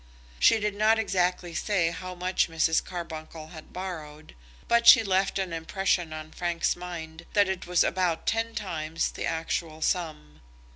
She did not exactly say how much Mrs. Carbuncle had borrowed, but she left an impression on Frank's mind that it was about ten times the actual sum.